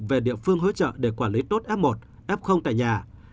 về địa phương hỗ trợ để quản lý tốt f một f tại nhà